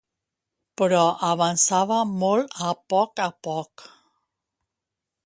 Però avançava molt a poc a poc.